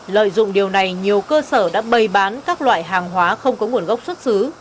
lợi dụng điều này nhiều cơ sở đã bày bán các loại hàng hóa không có nguồn gốc xuất xứ